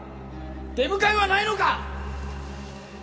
出迎えはないのか！